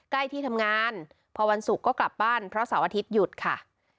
ที่ทำงานพอวันศุกร์ก็กลับบ้านเพราะเสาร์อาทิตย์หยุดค่ะ